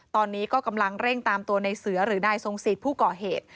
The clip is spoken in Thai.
ตอนนี้ก็กำลังเร่งตามตัวในเสือหรือนายทรงสิทธิ์ผู้ก่อเหตุ